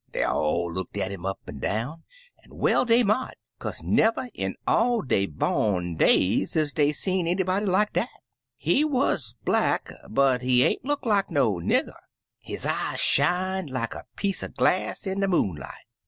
Dey all looked at 'im up an' down, an' well dey mought, kaze never in all dey bom days is dey see anybody like dat. He wuz black, but he ain't look like no nigger. His 40 Impty Umpty eyes shined like er piece er glass in de moon light.